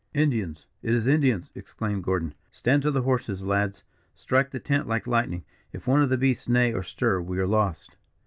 "Indians! it is Indians!" exclaimed Gordon. "Stand to the horses, lads. Strike the tent like lightning. If one of the beasts neigh or stir, we are lost."